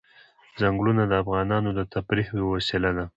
ځنګلونه د افغانانو د تفریح یوه وسیله ده.